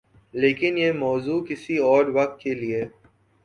لیکن یہ موضوع کسی اور وقت کے لئے۔